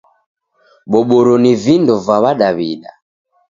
Boboro ni vindo va w'adaw'ida.